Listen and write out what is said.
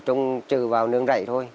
trồng trừ vào nướng rảy thôi